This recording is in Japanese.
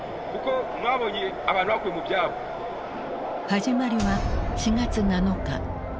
始まりは４月７日。